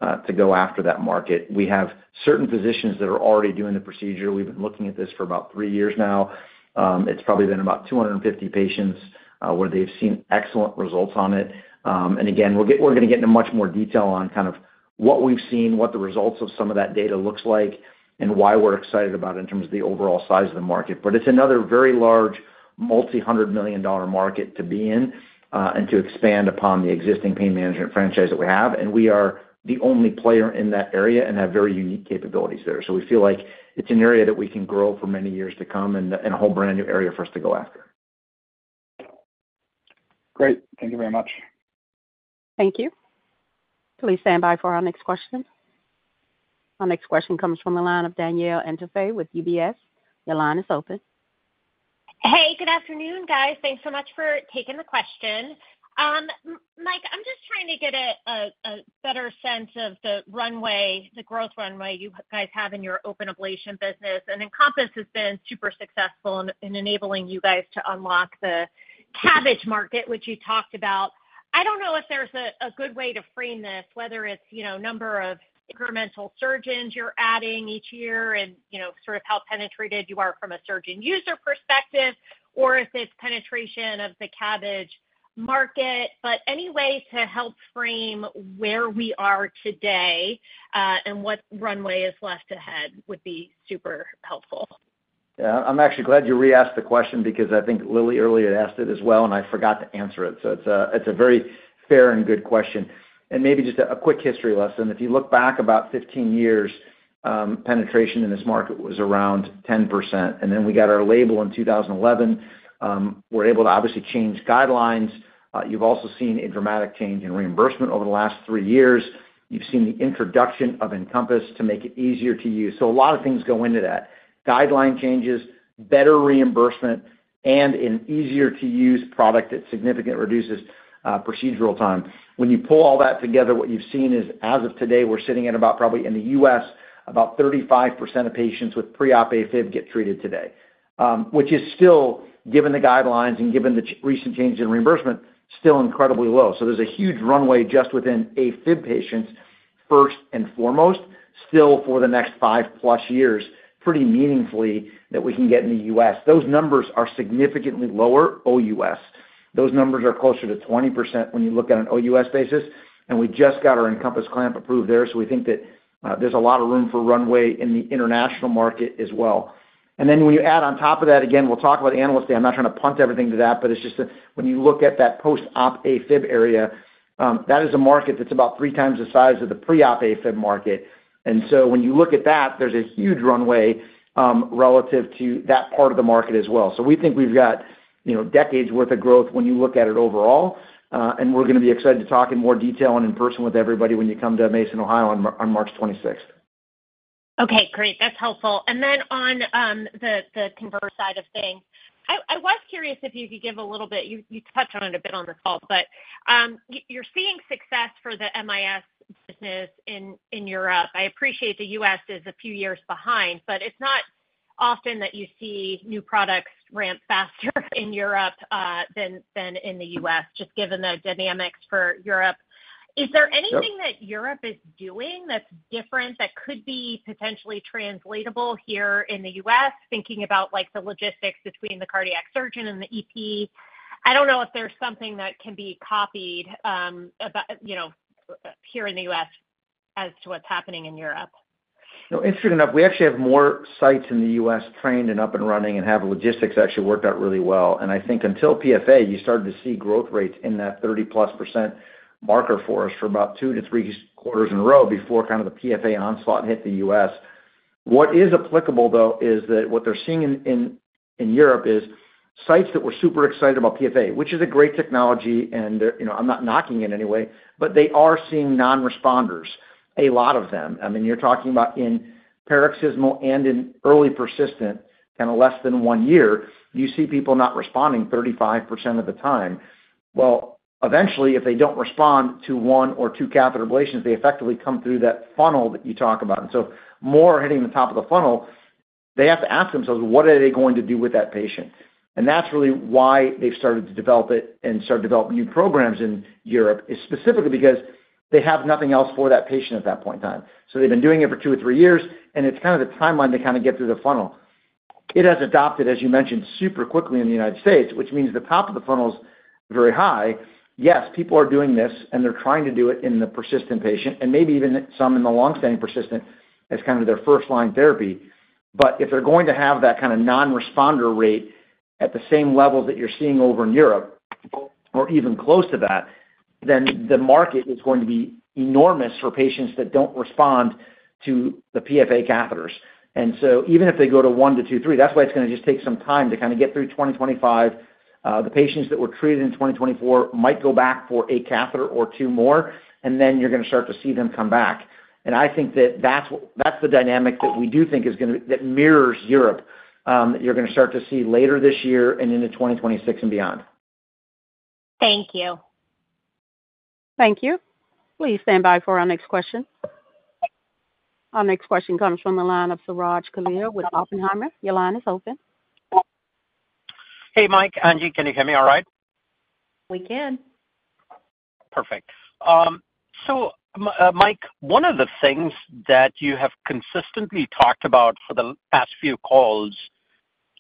to go after that market. We have certain physicians that are already doing the procedure. We've been looking at this for about three years now. It's probably been about 250 patients where they've seen excellent results on it. And again, we're going to get into much more detail on kind of what we've seen, what the results of some of that data looks like, and why we're excited about it in terms of the overall size of the market. But it's another very large multi-hundred million dollar market to be in and to expand upon the existing Pain Management franchise that we have. And we are the only player in that area and have very unique capabilities there. So we feel like it's an area that we can grow for many years to come and a whole brand new area for us to go after. Great. Thank you very much. Thank you. Please stand by for our next question. Our next question comes from the line of Danielle Antalffy with UBS. Your line is open. Hey, good afternoon, guys. Thanks so much for taking the question. Mike, I'm just trying to get a better sense of the runway, the growth runway you guys have in your Open Ablation business, and EnCompass has been super successful in enabling you guys to unlock the CABG market, which you talked about. I don't know if there's a good way to frame this, whether it's number of incremental surgeons you're adding each year and sort of how penetrated you are from a surgeon user perspective, or if it's penetration of the CABG market, but any way to help frame where we are today and what runway is left ahead would be super helpful. Yeah. I'm actually glad you re-asked the question because I think Lily earlier asked it as well, and I forgot to answer it, so it's a very fair and good question, and maybe just a quick history lesson. If you look back about 15 years, penetration in this market was around 10%. And then we got our label in 2011. We're able to obviously change guidelines. You've also seen a dramatic change in reimbursement over the last three years. You've seen the introduction of EnCompass to make it easier to use. So a lot of things go into that: guideline changes, better reimbursement, and an easier-to-use product that significantly reduces procedural time. When you pull all that together, what you've seen is, as of today, we're sitting at about, probably in the U.S., about 35% of patients with pre-op AFib get treated today, which is still, given the guidelines and given the recent changes in reimbursement, still incredibly low. So there's a huge runway just within AFib patients, first and foremost, still for the next five-plus years, pretty meaningfully that we can get in the U.S. Those numbers are significantly lower OUS. Those numbers are closer to 20% when you look at an OUS basis. And we just got our EnCompass Clamp approved there. So we think that there's a lot of room for runway in the international market as well. And then when you add on top of that, again, we'll talk about Analyst Day. I'm not trying to punt everything to that, but it's just that when you look at that post-op AFib area, that is a market that's about three times the size of the pre-op AFib market. And so when you look at that, there's a huge runway relative to that part of the market as well. So we think we've got decades' worth of growth when you look at it overall. We're going to be excited to talk in more detail and in person with everybody when you come to Mason, Ohio, on March 26th. Okay. Great. That's helpful. Then on the converse side of things, I was curious if you could give a little bit. You touched on it a bit on the call, but you're seeing success for the MIS business in Europe. I appreciate the U.S. is a few years behind, but it's not often that you see new products ramp faster in Europe than in the U.S., just given the dynamics for Europe. Is there anything that Europe is doing that's different that could be potentially translatable here in the U.S., thinking about the logistics between the cardiac surgeon and the EP? I don't know if there's something that can be copied here in the U.S. as to what's happening in Europe. No, interestingly enough, we actually have more sites in the U.S. trained and up and running and have logistics actually worked out really well. And I think until PFA, you started to see growth rates in that 30-plus% mark for us for about two to three quarters in a row before kind of the PFA onslaught hit the U.S. What is applicable, though, is that what they're seeing in Europe is sites that were super excited about PFA, which is a great technology, and I'm not knocking it in any way, but they are seeing non-responders, a lot of them. I mean, you're talking about in paroxysmal and in early persistent, kind of less than one year, you see people not responding 35% of the time. Well, eventually, if they don't respond to one or two catheter ablations, they effectively come through that funnel that you talk about. More hitting the top of the funnel, they have to ask themselves, "What are they going to do with that patient?" That's really why they've started to develop it and started developing new programs in Europe, specifically because they have nothing else for that patient at that point in time. They've been doing it for two or three years, and it's kind of the timeline to kind of get through the funnel. It has adopted, as you mentioned, super quickly in the United States, which means the top of the funnel is very high. Yes, people are doing this, and they're trying to do it in the persistent patient and maybe even some in the long-standing persistent as kind of their first-line therapy. But if they're going to have that kind of non-responder rate at the same levels that you're seeing over in Europe or even close to that, then the market is going to be enormous for patients that don't respond to the PFA catheters. And so even if they go to one to two, three, that's why it's going to just take some time to kind of get through 2025. The patients that were treated in 2024 might go back for a catheter or two more, and then you're going to start to see them come back. And I think that that's the dynamic that we do think is going to mirror Europe that you're going to start to see later this year and into 2026 and beyond. Thank you. Thank you. Please stand by for our next question. Our next question comes from the line of Suraj Kalia with Oppenheimer. Your line is open. Hey, Mike. Angie, can you hear me all right? We can. Perfect. So, Mike, one of the things that you have consistently talked about for the past few calls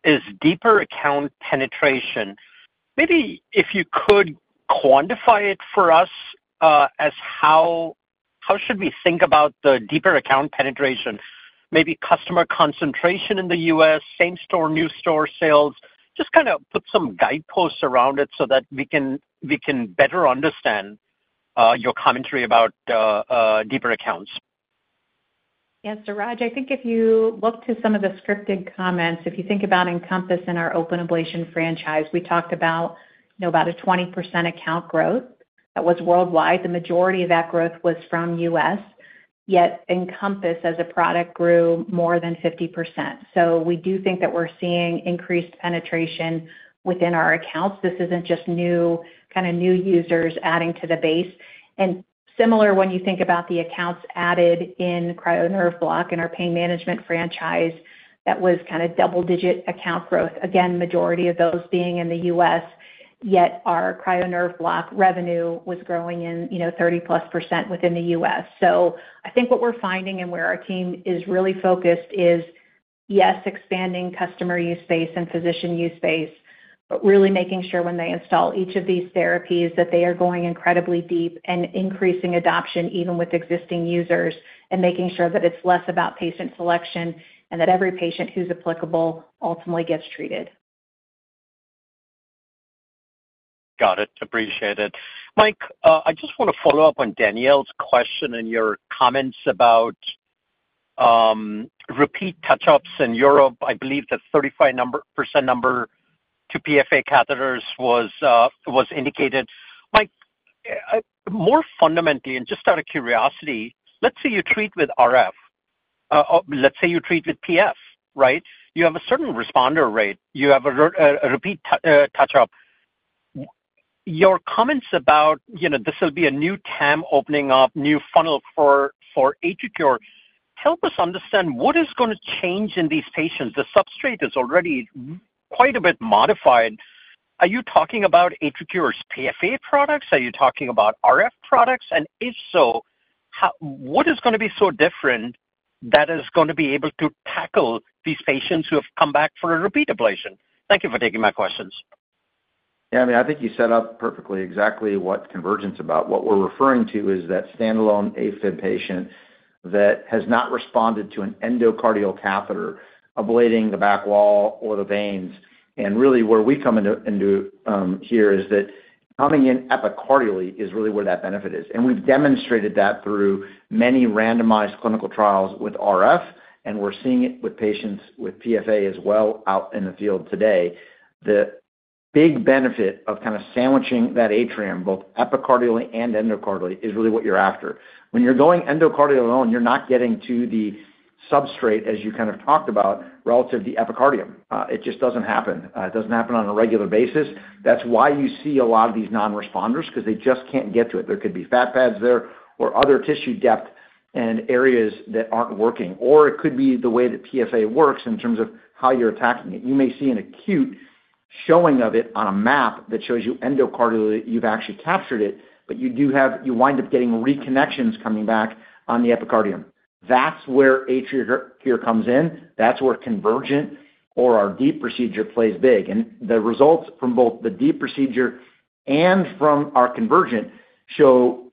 is deeper account penetration. Maybe if you could quantify it for us as how should we think about the deeper account penetration, maybe customer concentration in the U.S., same-store, new-store sales, just kind of put some guideposts around it so that we can better understand your commentary about deeper accounts. Yeah. Suraj, I think if you look to some of the scripted comments, if you think about EnCompass in our Open Ablation franchise, we talked about a 20% account growth that was worldwide. The majority of that growth was from U.S., yet EnCompass as a product grew more than 50%. So we do think that we're seeing increased penetration within our accounts. This isn't just kind of new users adding to the base. And similar when you think about the accounts added in Cryo Nerve Block in our Pain Management franchise, that was kind of double-digit account growth. Again, majority of those being in the U.S., yet our Cryo Nerve Block revenue was growing in 30-plus% within the U.S. So I think what we're finding and where our team is really focused is, yes, expanding customer use base and physician use base, but really making sure when they install each of these therapies that they are going incredibly deep and increasing adoption even with existing users and making sure that it's less about patient selection and that every patient who's applicable ultimately gets treated. Got it. Appreciate it. Mike, I just want to follow up on Danielle's question and your comments about repeat touch-ups in Europe. I believe the 35% number to PFA catheters was indicated. Mike, more fundamentally, and just out of curiosity, let's say you treat with RF. Let's say you treat with PFA, right? You have a certain responder rate. You have a repeat touch-up. Your comments about this will be a new TAM opening up, new funnel for AtriCure. Help us understand what is going to change in these patients. The substrate is already quite a bit modified. Are you talking about AtriCure's PFA products? Are you talking about RF products? And if so, what is going to be so different that is going to be able to tackle these patients who have come back for a repeat ablation? Thank you for taking my questions. Yeah. I mean, I think you set up perfectly exactly what Convergent is about. What we're referring to is that standalone AFib patient that has not responded to an endocardial catheter ablating the back wall or the veins, and really where we come into here is that coming in epicardially is really where that benefit is, and we've demonstrated that through many randomized clinical trials with RF, and we're seeing it with patients with PFA as well out in the field today. The big benefit of kind of sandwiching that atrium, both epicardially and endocardially, is really what you're after. When you're going endocardial alone, you're not getting to the substrate, as you kind of talked about, relative to the epicardium. It just doesn't happen. It doesn't happen on a regular basis. That's why you see a lot of these non-responders because they just can't get to it. There could be fat pads there or other tissue depth and areas that aren't working. Or it could be the way that PFA works in terms of how you're attacking it. You may see an acute showing of it on a map that shows you endocardially, you've actually captured it, but you wind up getting reconnections coming back on the epicardium. That's where AtriCure comes in. That's where Convergent or our DEEP procedure plays big. And the results from both the DEEP procedure and from our Convergent show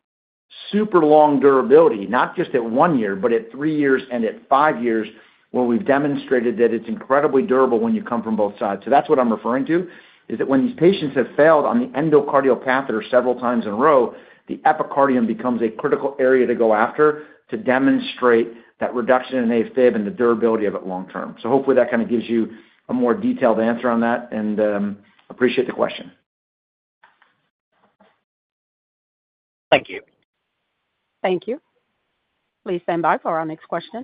super long durability, not just at one year, but at three years and at five years where we've demonstrated that it's incredibly durable when you come from both sides. So that's what I'm referring to, is that when these patients have failed on the endocardial catheter several times in a row, the epicardium becomes a critical area to go after to demonstrate that reduction in AFib and the durability of it long-term. So hopefully that kind of gives you a more detailed answer on that, and I appreciate the question. Thank you. Thank you. Please stand by for our next question.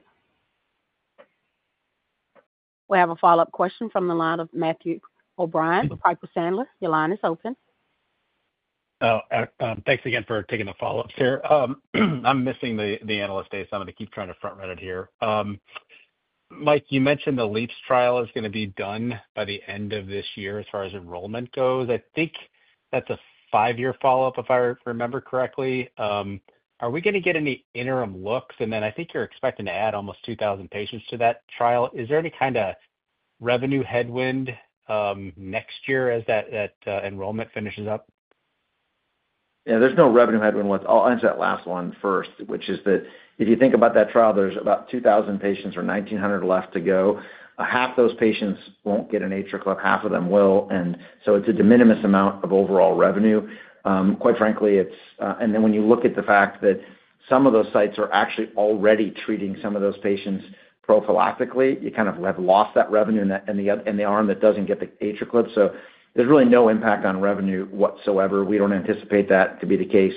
We have a follow-up question from the line of Matthew O'Brien with Piper Sandler. Your line is open. Thanks again for taking the follow-up, sir. I'm missing the Analyst Day. So I'm going to keep trying to front-run it here. Mike, you mentioned the LeAAPS trial is going to be done by the end of this year as far as enrollment goes. I think that's a five-year follow-up, if I remember correctly. Are we going to get any interim looks? And then I think you're expecting to add almost 2,000 patients to that trial. Is there any kind of revenue headwind next year as that enrollment finishes up? Yeah. There's no revenue headwind. I'll answer that last one first, which is that if you think about that trial, there's about 2,000 patients or 1,900 left to go. Half those patients won't get an AtriClip. Half of them will. And so it's a de minimis amount of overall revenue. Quite frankly, it's, and then when you look at the fact that some of those sites are actually already treating some of those patients prophylactically, you kind of have lost that revenue, and there are some that don't get the AtriClip. So there's really no impact on revenue whatsoever. We don't anticipate that to be the case,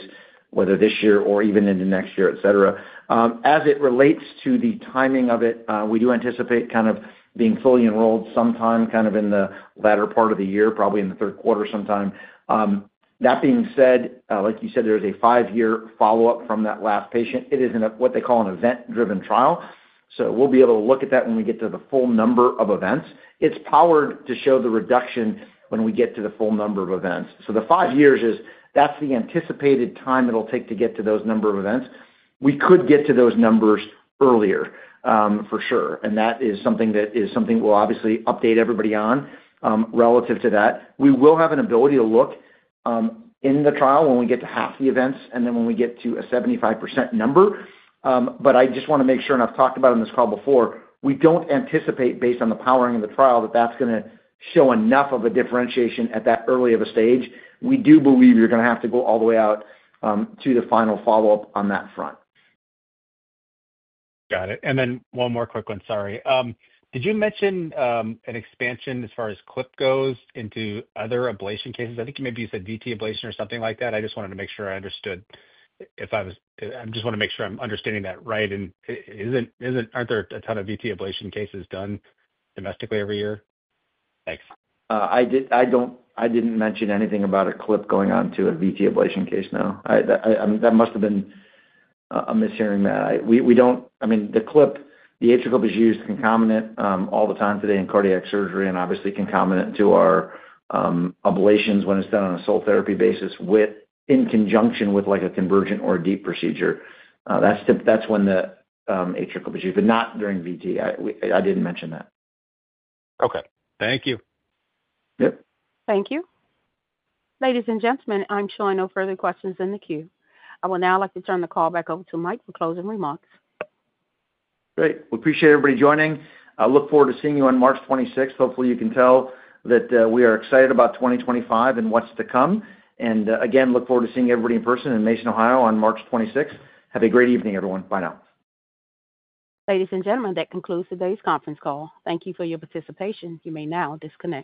whether this year or even into next year, etc. As it relates to the timing of it, we do anticipate kind of being fully enrolled sometime kind of in the latter part of the year, probably in the third quarter sometime. That being said, like you said, there is a five-year follow-up from that last patient. It is what they call an event-driven trial. So we'll be able to look at that when we get to the full number of events. It's powered to show the reduction when we get to the full number of events. So the five years is that's the anticipated time it'll take to get to those number of events. We could get to those numbers earlier, for sure. And that is something we'll obviously update everybody on relative to that. We will have an ability to look in the trial when we get to half the events and then when we get to a 75% number. But I just want to make sure, and I've talked about it on this call before, we don't anticipate, based on the powering of the trial, that that's going to show enough of a differentiation at that early of a stage. We do believe you're going to have to go all the way out to the final follow-up on that front. Got it. And then one more quick one, sorry. Did you mention an expansion as far as Clip goes into other ablation cases? I think maybe you said VT ablation or something like that. I just wanted to make sure I understood. I just want to make sure I'm understanding that right. And aren't there a ton of VT ablation cases done domestically every year? Thanks. I didn't mention anything about a Clip going on to a VT ablation case, no. That must have been a mishearing that. I mean, the Clip, the AtriClip is used concomitant all the time today in cardiac surgery and obviously concomitant to our ablations when it's done on a sole therapy basis in conjunction with a Convergent or a DEEP procedure. That's when the AtriClip is used, but not during VT. I didn't mention that. Okay. Thank you. Yep. Thank you. Ladies and gentlemen, I'm sure there are no further questions in the queue. I would now like to turn the call back over to Mike for closing remarks. Great. Well, I appreciate everybody joining. I look forward to seeing you on March 26th. Hopefully, you can tell that we are excited about 2025 and what's to come. And again, look forward to seeing everybody in person in Mason, Ohio on March 26th. Have a great evening, everyone. Bye now. Ladies and gentlemen, that concludes today's conference call. Thank you for your participation. You may now disconnect.